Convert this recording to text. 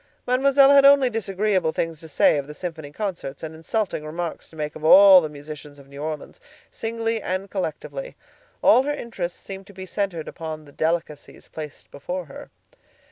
Mademoiselle had only disagreeable things to say of the symphony concerts, and insulting remarks to make of all the musicians of New Orleans, singly and collectively. All her interest seemed to be centered upon the delicacies placed before her.